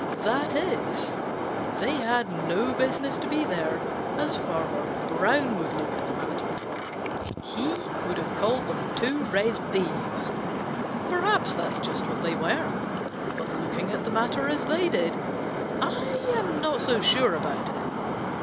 That is, they had no business to be there, as Farmer Brown would look at the matter. He would have called them two red thieves. Perhaps that is just what they were. But looking at the matter as they did, I am not so sure about it.